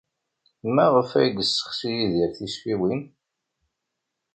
Maɣef ay yesseɣsi Yidir tisfiwin?